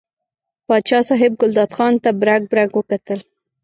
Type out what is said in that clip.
پاچا صاحب ګلداد خان ته برګ برګ وکتل.